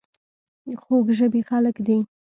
خوږ ژبې خلک دي .